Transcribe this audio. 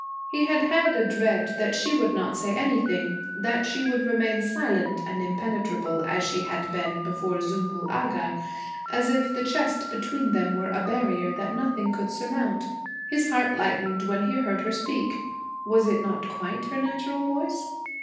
He had had a dread that she would not say anything, that she would remain silent and impenetrable, as she had been before Zümbül Agha, as if the chest between them were a barrier that nothing could surmount. His heart lightened when he heard her speak. Was it not quite her natural voice?